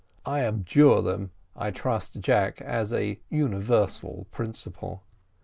"And abjure them, I trust, Jack, as a universal principle."